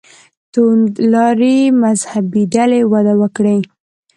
توندلارې مذهبي ډلې وده وکړي.